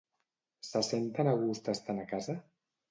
Se senten a gust estant a casa?